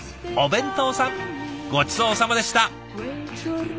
ごちそうさまでした！